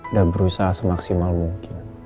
udah berusaha semaksimal mungkin